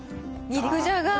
肉じゃが。